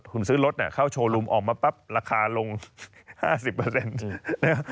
คุณซื้อรถเนี่ยเขาโชว์ลูมออกมาปั๊บราคาลงห้าสิบเปอร์เซ็นต์นะฮะ